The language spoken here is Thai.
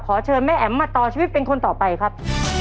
เชิญแม่แอ๋มมาต่อชีวิตเป็นคนต่อไปครับ